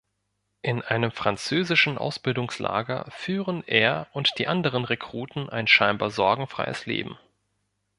In einem französischen Ausbildungslager führen er und die anderen Rekruten ein scheinbar sorgenfreies Leben.